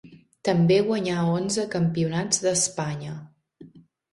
També guanyà onze campionats d'Espanya.